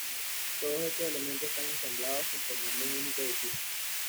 Todos estos elementos están ensamblados, conformando un único edificio.